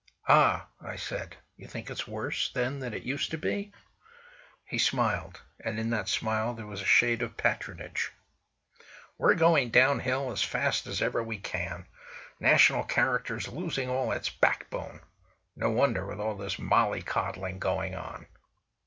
"Ah!" I said, "you think it's worse, then, than it used to be?" He smiled; in that smile there was a shade of patronage. "We're going down hill as fast as ever we can. National character's losing all its backbone. No wonder, with all this molly coddling going on!"